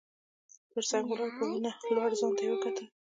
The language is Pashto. تر څنګ ولاړ په ونه لوړ ځوان ته يې وکتل.